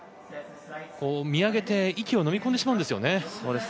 見上げて息をのみ込んでしまうんですよね。